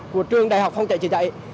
của trường đại học phòng cháy chữa cháy